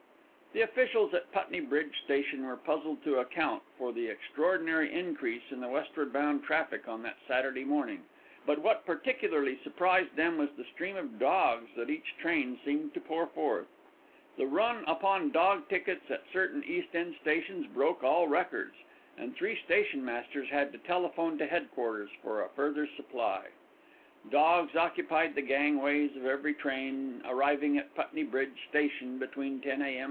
The officials at Putney Bridge station were puzzled to account for the extraordinary increase in the westward bound traffic on that Saturday morning; but what particularly surprised them was the stream of dogs that each train seemed to pour forth. The run upon dog tickets at certain East end stations broke all records, and three stationmasters had to telephone to headquarters for a further supply. Dogs occupied the gangways of every train arriving at Putney Bridge station between 10 a.m.